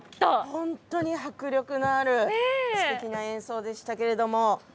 本当に迫力のあるすてきな演奏でしたけども。